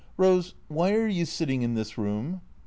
" Rose, why are you sitting in this room